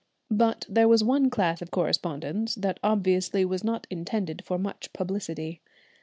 But there was one class of correspondence that obviously was not intended for much publicity.